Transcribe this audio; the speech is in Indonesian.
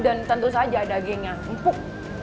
dan tentu saja dagingnya empuk